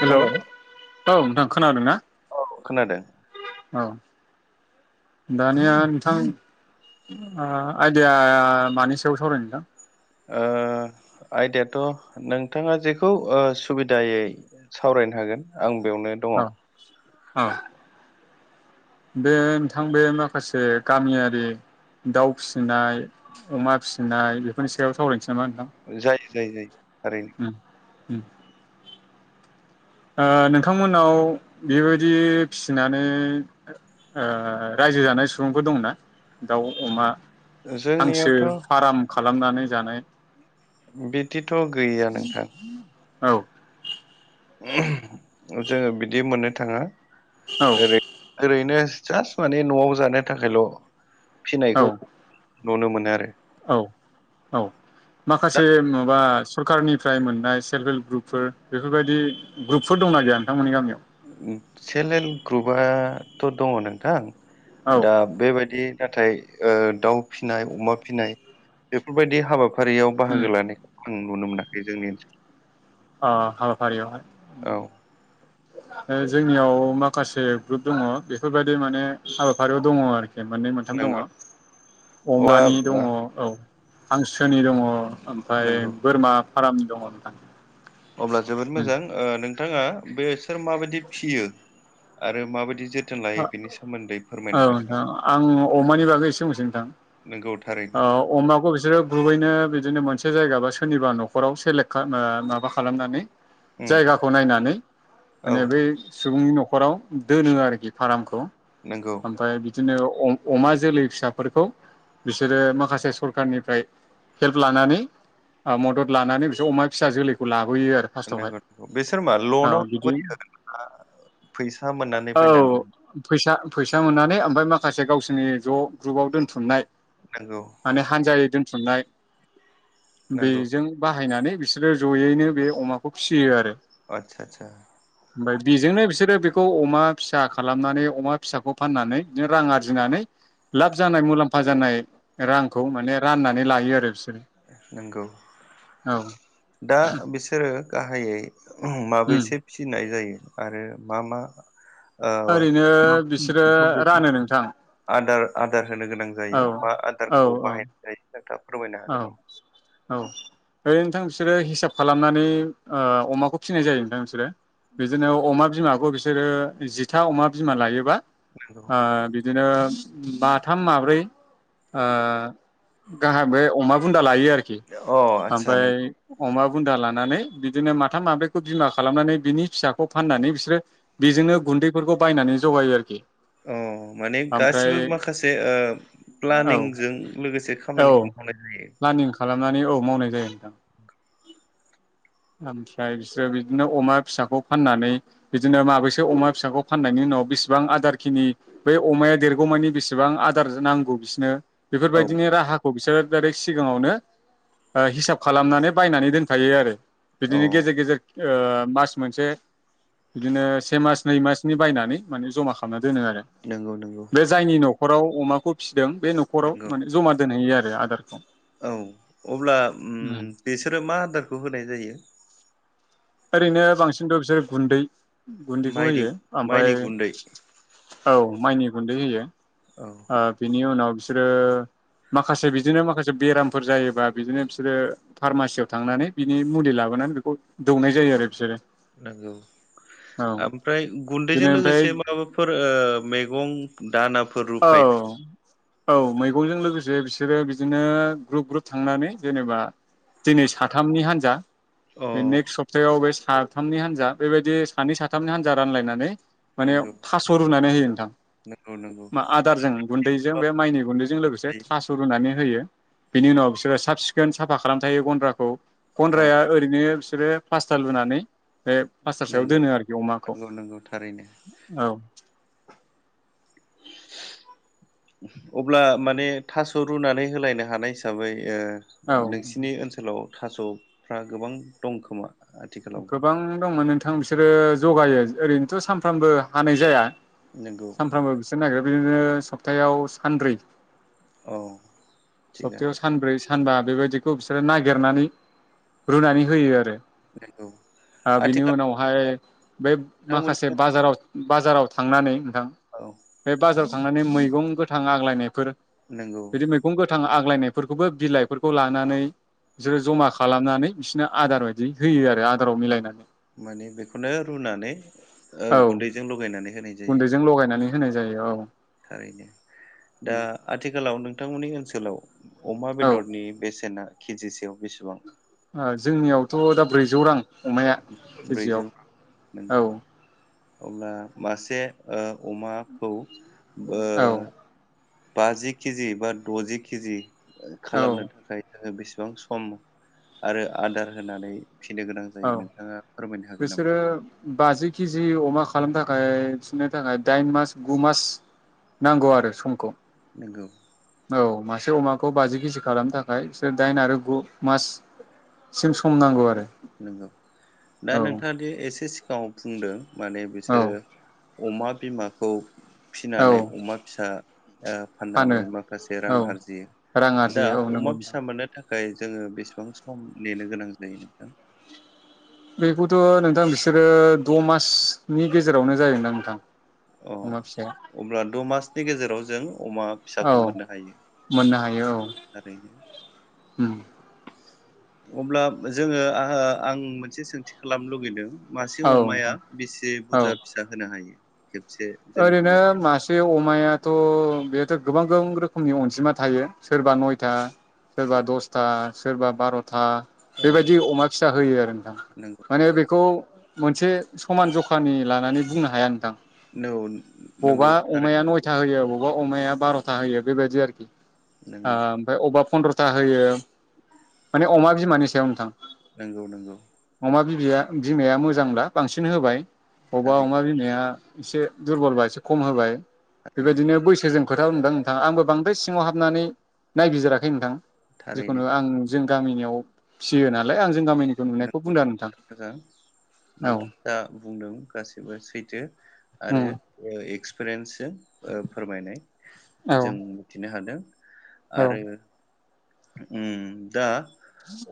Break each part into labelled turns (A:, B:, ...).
A: Hello औ नोंथां खोनादों ना?
B: औ खोनादों
A: औ दानिया नोंथां आइदिया मानि सायाव सावरायनो नोंथां?
B: आयदायाथ' नोंथाङा जेखौ सुबिदायै सावरायनो हागोन आं बेयावनो दङ।
A: ओ बे नोंथां बे माखासे गामियारि दाउ फिसिनाय अमा फिसिनाय बेफोरनि सायाव सावरायनोसै। नामा नोंथां
B: जायो जायो जायो ओरैनो।
A: उम ओ नोंथांमोनाव बेबायदि फिसिनानै रायजो जानाय सुबुंफोर दंना? दाउ अमा हांसो
B: जोंनियावथ'
A: फार्म खालामनानै जानाय
B: बिदिथ' गैया नोंथां
A: औ
B: [inaudible] जोङो बिदि मोननो थाङा
A: औ
B: ओरै ओरैनो जास्ट माने न'आव जानो थाखायल'
A: औ
B: फिनायखौ नुनो मोनो आरो
A: औ औ माखासे माबा सरखारारनिफ्राय मोननाय सेल्फ हेल्प ग्रुपफोर बेफोरबायदि ग्रुपफोर दंना गैया नोंथांमोननि गामियाव?
B: सेल्फ हेल्प ग्रुपथ' दङ नोंथां।
A: औ
B: दा बेबायदि नाथाय दाउ फिसिनाय अमा फिसिनाय बेफोरबायदि हाबाफ फारियाव
A: उम
B: बाहागो लानायखौ नुनो नुनो मोनाखै जोंनि ओनसोलाव
A: अ हाबाफारि आवहाय
B: ओनसोलाव औ
A: जोंनियाव माखासे ग्रुप दङ बेफोरबायदि माने हाबाफारियाव दङ आरोखि मोननै मोनथाम दङ
B: नंगौ अब्ला
A: अमानि दङ औ- हांसोनि दङ ओमफ्राय
B: नंगौ
A: बोरमा फाराम दङ नोंथां
B: अब्ला जोबोद
A: उम
B: मोजां ओ नों नोंथाङा बे सोर माबायदि फिसियो आरो माबायदि जो
A: औ नोंथां आं अमानि बागै एसे बुसै नोंथां
B: नामा नंगौ थारैनो
A: अ अमाखौ बिसोरो बु थुबैनो बिदिनो मोनसे जायगा बा सोरनिबा न'खराव सेलेक्ट माबा खालामनानै
B: उम
A: जायगाखौ नायनानै
B: औ
A: माने बै सुबुंनि न' न'खराव दोनो आरोखि फार्मखौ।
B: नोंगौ।
A: ओमफ्राय बिदिनो अमा जोलै फिसाफोरखौ बिसोरो माखासे सरखारनिफ्राय हेल्प लानानै मदद लानानै बिसोर अमा फिसा जोलैखौ ला
B: बेसोर मा
A: औ
B: लनाव
A: बिदि
B: [unintelligible] फैसा मोननानै
A: औ
B: बायनानै
A: फैसा फैसा मोननानै ओमफाय माखासे गावसोरनि ज' ग्रुपाव दोनथुमनाय
B: नंगौ
A: माने हानजायै दोन थुमनाय
B: नंगौ
A: बेजों बाहायनानै बिसोरो जयैनो बे अमाखौ फिसियो आरो।
B: आतसा आतसा।
A: ओमफ्राय बेजोंनो बिसोरो बेखौ अमा फिसा खालामनानै अमा फिसाखौ फाननानै रां आरजिनानै लाब जानाय मुलाम्फा जानाय रांखौ माने राननानै लायो आरो बिसो
B: नंगौ दा बिसोरो गाह गाहायै
A: उम
B: माबैसे फिनाय जायो? आरो मा मा? ओ
A: ओरैनो बिसोरो रानो नोंथां।
B: आ दे। होनो गोनां
A: औ
B: जायो बा आदारखौ
A: औ
B: बाहायनाय [unintelligible] दा फोरमायनो हागोन
A: औ
B: नामा?
A: औ ओरै नोंथां बिसोरो हिसाब खालामनानै ओ अमाखौ फिसिनाय जायो नोंथां बिसोरो। बिदिनो अमा बिमाख अ बिसोरो जिथा अमा बिमा लायोबा ओ बिदिनो बाथाम माब्रै ओ गाहाम बे अमा बुन लायो आरोखि
B: अ आदसा नोंगौ
A: ओमफाय बुन्दा लानानै बिदिनो माथाम माब्रैखौ बिमा खालामनानै बिनि फिसाखौ फाननानै बिसोरो बेजोंनो गुन्दैफोरखौ बायनानै जगायो आरोखि
B: अ माने
A: ओमफ्राय
B: गासिबो माखासे प्लानिंजों लोगोसे खामानिखौ मावनाय जायो
A: फ्लानिङ खालाम म औ मावनाय जायो नोंथां [unintelligible] ओमफ्राय बिसोरो बिदिनो अमा फिसाखौ फाननानै बिदिनो माबैसेअमा फिसाखौ फाननायनि उनाव बेसेबां आदारखिनि बै अमाया देरगौमानि बेसेबां आदार नांगौ बिसनो
B: औ
A: बेफोरबायदिनो राहाखौ खौ बिसोरो आरै सिगाङावनो हिसाब खालामनानै बायनानै दोनखायो आरो
B: औ
A: बिदिनो गेजेर गेजेर ओ मास मोनसे बिदिनो से मास नै मासनि बायनानै माने जमा खालामनानै दोनो आरो
B: नंगौ नंगौ
A: बे जायनि नखराव अमाखौ बे नखराव
B: नंगौ
A: माने जमा दोनहैयो आरो आदारखौ
B: औ अब्ला ओम बिसोरो मा आदारखौ होनाय जायो।
A: ओरैनो बांसिनथ बिसोर गुन्दै गुन्दैखौ
B: माइनि
A: होयो ओमफ्राय
B: माइनि गुन्दै
A: औ माइनि गुन्दै दै होयो
B: औ
A: आ बिनि उनाव बिसोरो माखासे बिदिनो माखासे बेरामफोर जायोबा बिदिनो बिसोरो फार्मासियाव थांनानै बिनि मुलि लाबोनानै बेखौ दौनाय जायो आरो बिसोरो
B: नंगौ
A: औ
B: ओमफ्राय
A: बिनो
B: गुन्दैजों
A: ओमफ्राय
B: लोगोसे माबाफोर ओ मैगं दान
A: औ औ मैगंजों लोगोसे बिसोरो बिदिनो ग्रुप ग्रुप थांनानै जेनेबा दिनै साथामनि हान्जा
B: औ
A: बे नेक्ट सप्तायाव बेस साथामनि हान्जा बेबायदि सानै साथामनि हान्जा रानलायनानै माने
B: नंगौ
A: थास रुनानै होयो नोंथां
B: नंगौ नंगौ
A: मा आदारजों गुन्दैजों
B: औ
A: बे माइनि गुन्दैजों लोगोसे थास रुनानै होयो बिनि उनाव बिसोरो साब सिखोन साफा खालाम थायो गन्द्राखौ
B: औ
A: गन्द्राया ओरैनो बिसोरो पासटा लुनानै बे पासट सायाव
B: नंगौ
A: दोनो आरोखि अमाखौ
B: नंगौ नंगौ थारैनो
A: औ
B: अब्ला माने थास रुनानै होलायनो हानाय हिसाबै ओ
A: औ
B: नोंसिनि ओनसोलाव थास'फ्रा गोबां दंखोमा?
A: गोबां दंमोन नोंथां। बिथां बिसोरो जगायो ओरैनोथ' सानफ्रामबो हानाय जाया।
B: नंगौ
A: सानफ्रामबो बिसोर नागिर बिदिनो सब्ताव सानब्रै
B: औ
A: सप्तायाव
B: थिगानो
A: सानब्रै सानबा बेबायदिखौ बिसोरो नागिरनानै रुनानै होयो आरो
B: नंगौ
A: बिनि
B: आथिखालाव
A: उनावहाय बेै
B: नोंथांमोननि
A: माखासे बाजाराव बाजाराव थांनानै थां
B: ओनसोलाव
A: ओमफाय बाजार थांनानै मैगं गोथां आग्लायनायफोर
B: नंगौ
A: बिदि मैगं आग आलायनायफोरखौबो बिलाइफोरखौ लानानै बिसोरो जमा खालामनानै बिसोरनो आदार बायदि होयो आरो आदाराव
B: औ
A: मिलायनानै
B: माने बेखौनो रुनानै
A: औ
B: गुन्दैजों लगायनानै होनाय जायो
A: गुन्दैजों लगायनानै होनाय जायो औ।
B: थारैनो दा आथिखालाव नोंथांमोननि सोलाव अमा
A: औ
B: बेदरनि बेसेना खजिसेयाव बेसेबां?
A: जोंनियावथ दा ब्रैजौ रां। अमाया
B: ब्रैजौ नंगौ
A: केजियाव औ।
B: अब्ला मासे ओ अमाखौ बो
A: औ
B: बाजि केजि बा दजि केजि खालामनो
A: औ
B: थाखाय जोङो बेसेब बिसेबां सम आरो आदार होनानै फिसिनो गोनां जायो
A: औ
B: नोंथाङा फोरमायनो हागोन नामा?
A: बिसोरो बाजि केजि अमा खालामनो थाखाय फिसिनो थाखाय दाइन मास गु मास नांगौ आरो समखौ।
B: नोंगौ।
A: से अमाखौ बाजि केजि खालामनो थाखाय बिसोर दाइन आरो गु माससिम सम नांगौ आरो।
B: नंगौ दा
A: औ
B: नोंथाङा दि एसे सिग गाव फुंदो। माने बिसोरो
A: औ
B: अमा बिमाखौ फिसिनानै
A: औ
B: अमा फिसा ओ
A: फानो
B: फाननानै माखासे रां
A: औ
B: आरजियो
A: रां
B: दा
A: आरजियो औ नंगौ
B: अमा
A: नोंथां
B: फिसा मोननो थाखाय। थाखाय जोङो बेसेबां सम नेनो गोनां जायो नोंथां?
A: बेखौथ नोंथां बिसोरो द मासनि गेजेरावनो जायोनोदां नोंथां।
B: अ
A: अमा फिसाया
B: अब्ला द मासनि गेजेराव जों अमा
A: औ
B: फिसाखौ मोननो हायो।
A: [unintelligible]
B: ओरैनो
A: उम
B: अब्ला जोङो आ-आं मोनसे सोंथि खालामनो लुगैदों। मासे
A: औ
B: अमाया
A: नोंथां
B: बेसे
A: औ
B: बुरजा फिसा होनो हायो? खेबसे जोनोम
A: ओरैनो
B: होगोरसिम?
A: मासे अमाया थ बेथ गोबां-गोबां रोखोमनि अनजिमा थायो सोरबा नयथा सोरबा दसथा सोरबा बारथा था
B: औ
A: बेबायदि अमा फिसा होयो आरो नोंथां
B: नंगौ
A: माने बेखौ मोनसे समान जखानि लानानै बुंनो हाया नोंथां।
B: नौ नंगौ
A: बबा
B: थारै
A: अमाया नयथा होयो ओ बबा अमाया बारथा होयो बेबायदि आरोखि। ओ
B: नंगौ
A: ओमफ्राय अबा फन्द्रथा। था होयो माने अमा बिमानि सायाव नोंथां।
B: नोंगौ नंगौ।
A: अमा बिबैया बिमाया मोजांब्ला बांसिन होबाय। बबा अमा
B: थारैनो
A: बिमाया एसे दुरबलबा एसे खम होबाय।
B: थारैनो
A: बेबायदिनो बैसोजों खोथा दंदां नोंथां आंबो बांद्राय सिङाव हाबनानै नायबिजिराखै नोंथां। जिखुनु
B: थारैनो
A: आं जों गामिनियाव फिसियो नालाय आं। जों गामिनिखौ नुनायखौ बुंदों आरो
B: मोजां नोंथां जा बुंदों गाससिबो सैथो। आरो ओ एक्सपिरियेन्स जों फोरमायनाय जों
A: नोंथां
B: मिथिनो हादों।
A: औ
B: आरो उम दा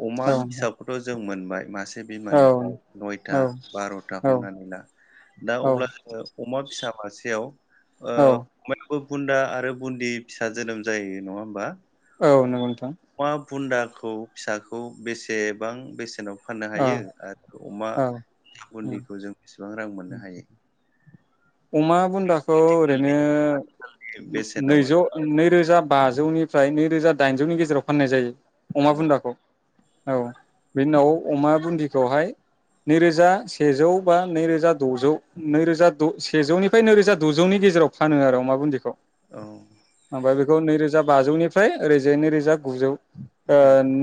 B: अमा फिसाखौथ जों मोनबाय मासे मासे बिमानिफ्राय नयथा
A: उम
B: बारथा हमनानै ला दा
A: औ
B: अब्ला जोङो अमा फिसा मासेयाव ओ बुन्दा आरो बुन्दि फिसा जोनोम जायो नङा होमबा
A: औ नंगौ नोंथां थां
B: अमा बुन्दाखौ फिसाखौ बेसेबां बेसेनाव फाननो
A: औ
B: हायो आरो अमा
A: औ
B: बुन्दिखौ जों बिसेबां रां मोननो हायो
A: अमा बुन्दाखौ ओरैनो
B: बेसेनाव
A: नैजौ
B: आरो
A: नैरोजा बाजौनिफ्राय नैरोजा दाइनजौनि गेजेराव फाननाय जायो अमा
B: नंगौ
A: बुन्दाखौ औ बेनि उनाव अमा बुन्दिखौहाय नैरोजा सेजौ बा नैरोजा दजौ नैरोजा सेजौनिफ्राय नैरोजा दजौनि गेजेराव फानो आरो अ मा बुन्दिखौ
B: औ ओं
A: ओमफ्राय बेखौ नैरोजा रोजा बाजौनिफ्राय ओरैजि नैरोजा गुजौ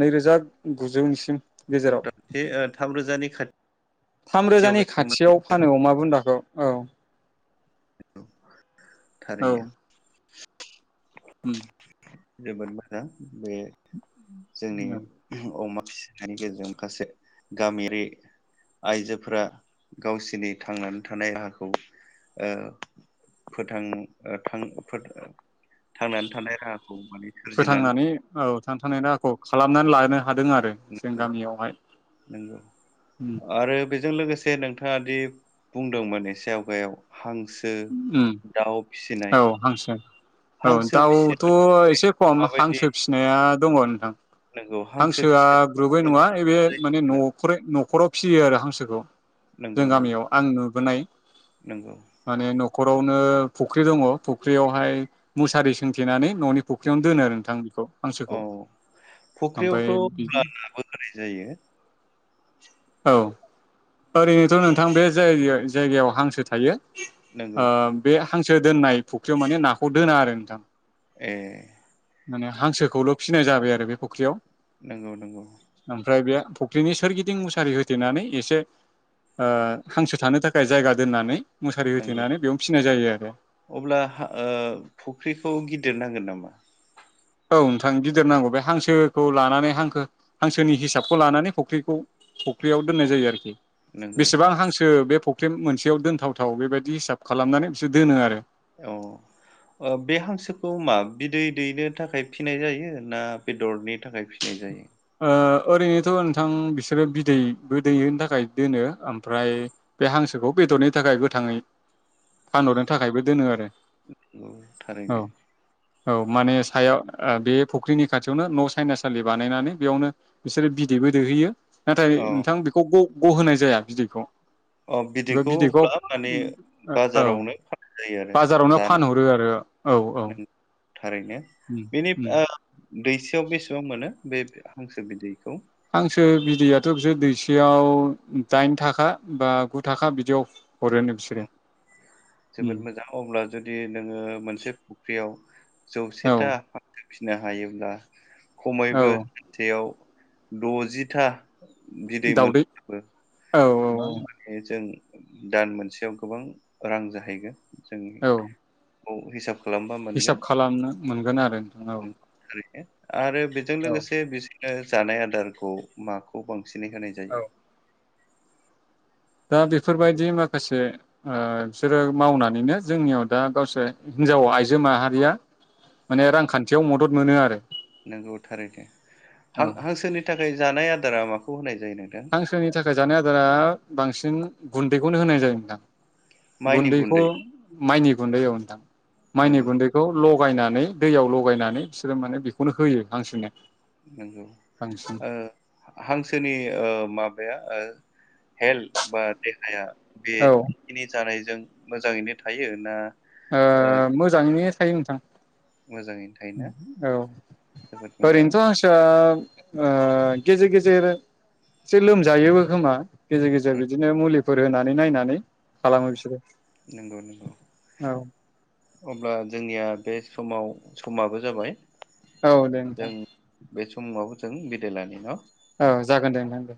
A: नैरोजा गुजौनिसिम गेजेराव
B: मथा मथि थाम रोजानि खाथि
A: थाम रोजानि खाथियाव फानो अमा बुन्दाखौ औ
B: मोनगौ थारैनो [inaudible]
A: ओम
B: जोबोद मोजां बे जोंनि
A: औ
B: अमा [unintelligible] गामियारि आइजोफोरा गावसिनि थांनानै थानाय हाखौ ओ फोथां ओ थां फोर थांनानै थानाय राहाखौ माने सोरजिनानै
A: फोथांनानै औ थांनानै थानाय राहाखौ खालामनानै लानो हादों आरो जों गामियावहाय
B: नोंगौ
A: उम
B: आरो बेजों लोगोसे नोंथाङा दि बुंदोंमोन एसे आवगायाव हां
A: ओम औ हांसो औ
B: हांसो
A: दाउथ'
B: फिसिनानै
A: एसे खम
B: माबायदि
A: हांसो फिसिनाया दङ' नोंथां
B: नंगौ हांसो
A: हांसोआ
B: फिसाया
A: ग्रुबै नङा एबे माने
B: बिराद
A: नखरै नखराव फिसियो आरो हांसोखौ जों
B: नंगौ नंगौ
A: गामियाव आं नुबोनाय
B: नंगौ
A: न'खरावनो फुख्रि दङ' फुख्रियावहाय मुसारि सोंथेनानै न'नि फुख्रियावनो
B: नंगौ
A: दोनो आरो नोंथां बेखौ हांसोखौ
B: औ फुख्रियावथ'
A: ओमफ्राय
B: नाबो
A: बिदि
B: होनाय जायो
A: औ ओरैनोथ' नोंथां बे जाय-जायगायाव हांसो थायो
B: नंगौ
A: ओ बे हांसो दोननाय फुख्रियाव माने नाखौ दोना आरो नोंथां
B: ए
A: माने हांसोखौल' फिसिनाय जाबाय आरो बे फुख्रियाव
B: नोंगौ नोंगौ
A: ओमफ्राय बे फुख्रिनि सोरगिद दिं मुसारि होथेनानै एसे आ हांसो थानो थाखाय जायगा दोननानै मुसारि
B: नोंगौ
A: होथेनानै बेयावनो फिसिनाय जायो आरो
B: अब्ला ओ फुख्रिखौ गिदिर नां गोन नामा?
A: औ नोंथां गिदिर नांगौ बे हांसोखौ लानानै हांखो हांसोनि हिसाबखौ लानानै फख्रिखौ फुख्रियाव दोननाय जायो आरोखि
B: नंगौ
A: बेसेबां हांसो बे फख फ्रेम मोनसेयाव दोनथावथाव बेबायदि हिसाब खालामनानै बिसोर दोनो आरो
B: अ ओ बे हांसोखौ मा बिदै दैनो थाखाय फिनाय जायो ना बेदरनि थाखाय फि फिनाय जायो
A: ओ ओरैनोथ' नोंथां बिसोरो बिदैबो दैैहोनो थाखाय दोनो ओमफ्राय बे हांसोखौ बेदरनि थाखाय गोथाङै फानहरनो थाखायबो दोनो आरो
B: नंगौ
A: औ
B: थारैनो
A: औ माने सायाव ओ बे फुख्रिनि खाथियावनो न' साइनास सालि बानायनानै बेयावनो बिसोरो बिदैबो दैहैयो नाथाय
B: औ
A: नोंथां बेखौ ग गहोनाय जाया बिदैखौ
B: अ' बिदैखौ अब्ला लाबनानै
A: औ
B: बाजारावनो फाननाय जायो आरो
A: बाजारावनो
B: जानो
A: फानहरो आरो औ औ
B: नों थारैनो
A: उम
B: बेनि
A: उम
B: ओ दैसेयाव बेसेबां मोनो बे हांसो बिदैखौ?
A: हांसो बिदैयाथ' बिसोर दैसेयाव दाइन थाखा बा गु थाखा बिदियाव हरोनो बिसोरो
B: औ,
A: उम
B: जोबोद मोजां अब्ला जुदि नोंङो मोनसे फुख्रियाव
A: औ
B: जौसेथा हांसो फिसिनो हायोब्ला
A: औ
B: ख'मैबो [inaudible] द'जि था बिदैमोन [inaudible]
A: दाउदै औ
B: [inaudible] मानेजों दान मोनसेयाव गोबां रां जाहैगोन। जोंनि
A: औ
B: औ हिसाब खालामबा
A: हिसाब
B: मोनगोन
A: खालामनो मोनगोन आरो। औ
B: [inaudible] आरो बेजों
A: औ
B: लोगोसे बि जानाय आदारखौ माखौ बांसि [unintelligible] होनाय
A: औ
B: जायो।
A: दा बेफोरबायदि माखासे ओ बिसोरो मावनानैनो जोंनियाव दा गावसोर हिन्जाव आइजो माहारिया माने रांखान्थियाव मदद मोनो आरो।
B: नंगौ थारैनो हां
A: औ
B: हांसोनि थाखाय जानाय आदार आदारा माखौ होनाय जाय?
A: हांसोनि थाखाय जानाय आदारा बांसिन गुन्दैखौनो होनाय जायो नोंथां।
B: माइनि
A: गुन्दैखौ
B: गुन्दै
A: माइनि गुन्दै औ नोंथां माइनि
B: नंगौ
A: गुन्दैखौ ल' [unintelligible] दैयाव लगायनानै बिसोरो माने बेखौनो होयो हांसोनो।
B: नंगौ
A: बांसिन
B: ओ हांसोनि ओ माबाया हेल्थ बा देहाया
A: औ ओ
B: बेखिनि जानायजों मोजाङैनो थायो ना?
A: ओ मोजाङैनो थायो नोंथां।
B: मोजाङैनो थायोना
A: औ
B: जोबोद मोजां
A: ओरैन्थ' [unintelligible] ओ गेजेर गेजेर एसे लोमजायोबो खोमा गेजेर गेजेर
B: उम
A: बिदिनो मुलि फोर होनानै नायनानै खालामो बिसोरो
B: नंगौ नंगौ
A: औ
B: [inaudible] अब्ला जोंनिया बे समाव समाबो जाबाय
A: औ दे नोंथां
B: जों बे समाव जों बिदायलानि न'
A: औ जागोन दे नोंथां दे